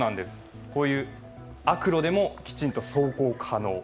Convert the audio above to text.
こういう悪路でもきちんと走行可能。